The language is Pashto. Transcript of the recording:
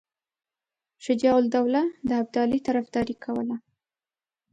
شجاع الدوله د ابدالي طرفداري کوله.